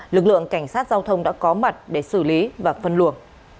lực lượng cảnh sát giao thông đã có mặt để xử lý và phân luồng